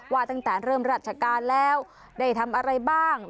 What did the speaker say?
ว่าตั้งแต่เริ่มราชการแล้วได้ทำอะไรบ้าง